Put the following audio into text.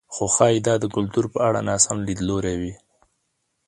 خو ښايي دا د کلتور په اړه ناسم لیدلوری وي.